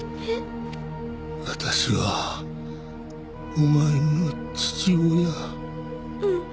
私はお前の父親うん